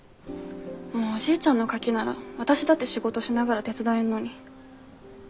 おじいちゃんのカキなら私だって仕事しながら手伝えんのに。